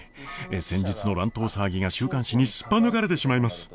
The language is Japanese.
先日の乱闘騒ぎが週刊誌にすっぱ抜かれてしまいます。